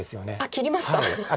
切りました。